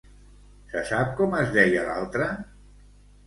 Se sap com es deia l'altra?